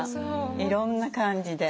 いろんな感じで。